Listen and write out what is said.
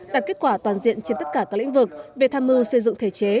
đạt kết quả toàn diện trên tất cả các lĩnh vực về tham mưu xây dựng thể chế